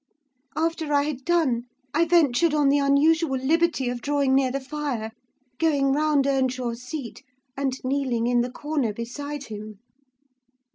After I had done, I ventured on the unusual liberty of drawing near the fire, going round Earnshaw's seat, and kneeling in the corner beside him.